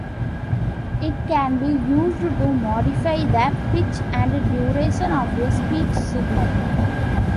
It can be used to modify the pitch and duration of a speech signal.